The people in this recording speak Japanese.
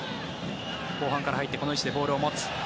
後半から入ってこの位置でボールを持つ。